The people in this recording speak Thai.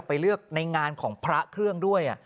ไปเลือกในงานของพระเครื่องด้วย